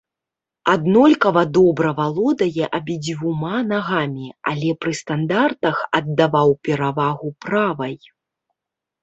Аднолькава добра валодае абедзвюма нагамі, але пры стандартах аддаваў перавагу правай.